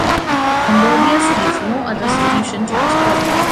Cambodia sees no other solution to this problem.